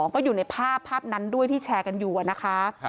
ก็อยู่ในภาพภาพนั้นด้วยที่แชร์กันอยู่นะคะ